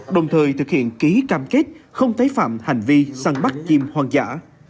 đồng thời thực hiện ký cam kết không tái phạm hành vi săn bắt chim hoang dã